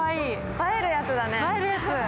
映えるやつだね。